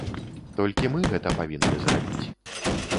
Толькі мы гэта павінны зрабіць.